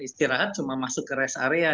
istirahat cuma masuk ke rest area